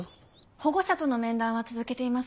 保護者との面談は続けています。